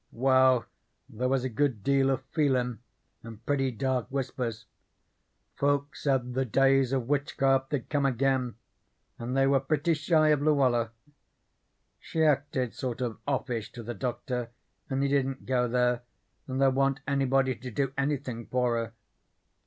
Well, then there was a good deal of feelin' and pretty dark whispers. Folks said the days of witchcraft had come again, and they were pretty shy of Luella. She acted sort of offish to the Doctor and he didn't go there, and there wa'n't anybody to do anythin' for her.